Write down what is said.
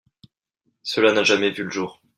Cela n’a jamais vu le jour.